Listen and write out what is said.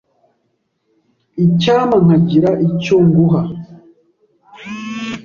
Icyampa nkagira icyo nguha.